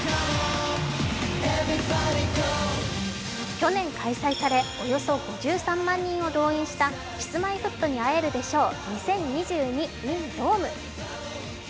去年開催されおよそ５３万人を動員したＫｉｓ−Ｍｙ−Ｆｔに逢えるｄｅＳｈｏｗ２０２２ｉｎＤＯＭＥ。